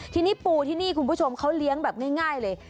ทีนี้ปูที่นี่คุณผู้ชมเขาเลี้ยงแบบง่ายเลย